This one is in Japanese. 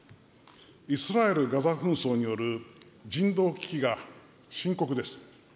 イスラエル・ガザ紛争による人道危機が深刻です。